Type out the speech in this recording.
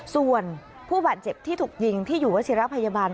ส่วนผู้บาดเจ็บที่ถูกยิงที่อยู่วัชิระพยาบาล